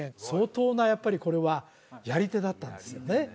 相当なやっぱりこれはやり手だったんですよね